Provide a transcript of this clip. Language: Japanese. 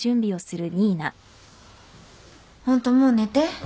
ホントもう寝て。